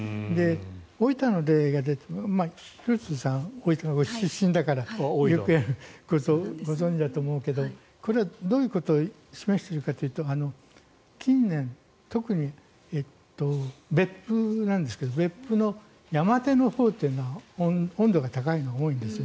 大分の例、廣津留さん大分のご出身だからご存じだと思うけれどこれはどういうことを示しているかというと近年、特に別府なんですが別府の山手のほうというのは温度が高いのが多いんです。